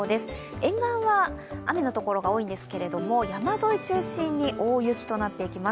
沿岸は雨のところが多いんですけども、山沿い中心に大雪となっていきます。